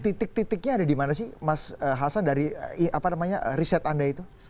titik titiknya ada di mana sih mas hasan dari riset anda itu